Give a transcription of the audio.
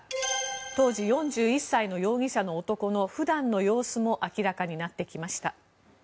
当時４１歳の容疑者の男の普段の様子も明らかになってきました。